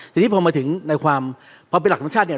ทีนี้พอมาถึงในความพอเป็นหลักของชาติเนี่ย